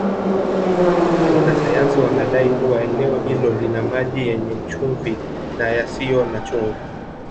Wanasayansi wanadai kuwa eneo hilo lina maji yenye chumvi na yasiyo na chumvi